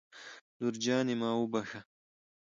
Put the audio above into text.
لور جانې ما وبښه